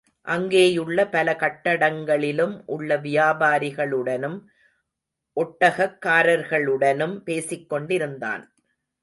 அங்கேயுள்ள பல கட்டடங்களிலும் உள்ள வியாபாரிகளுடனும், ஒட்டகக்காரர்களுடனும் பேசிக் கொண்டிருந்தான்.